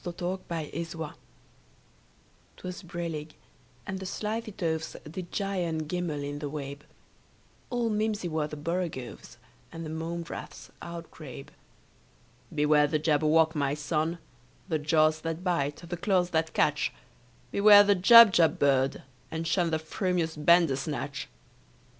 _ JABBERWOCKY 'Twas brillig, and the slithy toves Did gyre and gimble in the wabe; All mimsy were the borogoves, And the mome raths outgrabe. "Beware the Jabberwock, my son! The jaws that bite, the claws that catch! Beware the Jubjub bird, and shun The frumious Bandersnatch!"